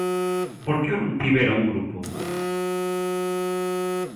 Por que eu non tivera un grupo?